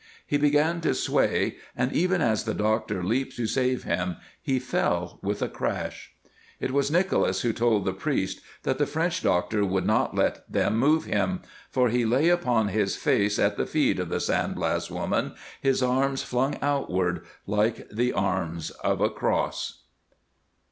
He began to sway, and even as the doctor leaped to save him he fell with a crash. It was Nicholas who told the priest that the French doctor would not let them move him; for he lay upon his face at the feet of the San Blas woman, his arms flung outward like the arms of a cross.